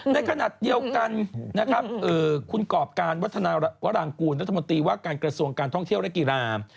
ในขณะเดียวกันนะครับคุณกรอบการวัฒนาวรางกูลรัฐมนตรีว่าการกระทรวงการท่องเที่ยวและกีฬา